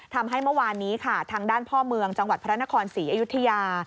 เมื่อวานนี้ค่ะทางด้านพ่อเมืองจังหวัดพระนครศรีอยุธยา